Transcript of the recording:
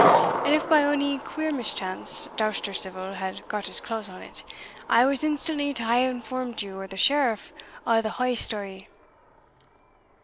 And if by ony queer mischance Doustercivil had got his claws on't, I was instantly to hae informed you or the Sheriff o' the haill story."